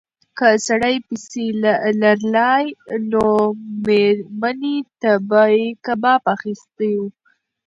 که سړي پیسې لرلای نو مېرمنې ته به یې کباب اخیستی و.